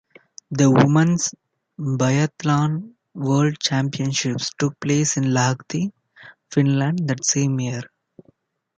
The Women’s Biathlon World Championships took place in Lahti, Finland that same year.